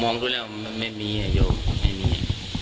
อ๋อมองด้วยแล้วไม่มีอย่างนี้